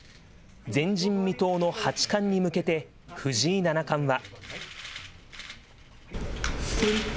前人未到の八冠に向けて、藤井七冠は。